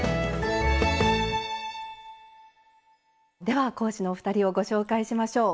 では講師のお二人をご紹介しましょう。